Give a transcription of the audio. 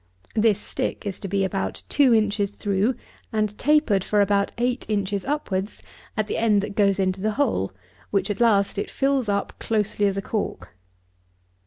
This stick is to be about two inches through, and tapered for about eight inches upwards at the end that goes into the hole, which at last it fills up closely as a cork.